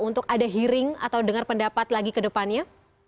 untuk ada hearing atau dengar pendapat lagi ke depannya